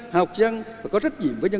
học dân và có trách nhiệm